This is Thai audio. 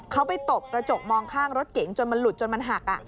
เขาไปตบกระจกมองข้างรถเก๋งจนมันหลุดจนมันหัก